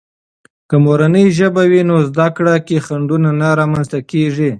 که مورنۍ ژبه وي، نو زده کړې کې خنډونه نه رامنځته کېږي.